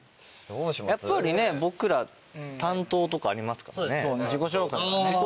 やっぱりね僕ら担当とかありますからね。